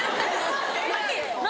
何？